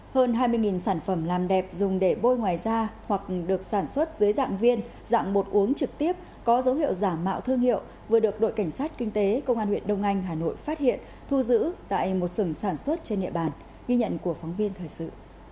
hơn hai mươi sản phẩm làm đẹp dùng để bôi ngoài da hoặc được sản xuất dưới dạng viên dạng bột uống trực tiếp có dấu hiệu giả mạo thương hiệu vừa được đội cảnh sát kinh tế công an huyện đông anh hà nội phát hiện thu giữ tại một sừng sản xuất trên địa bàn ghi nhận của phóng viên thời sự